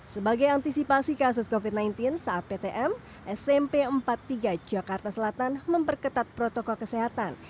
sebagai antisipasi kasus covid sembilan belas saat ptm smp empat puluh tiga jakarta selatan memperketat protokol kesehatan